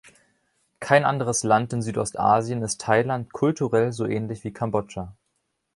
Kein anderes Land in Südostasien ist Thailand kulturell so ähnlich wie Kambodscha.